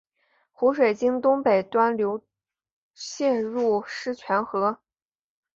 湖水经东北端出流泄入狮泉河。